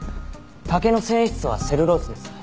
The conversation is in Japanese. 竹の繊維質はセルロースです。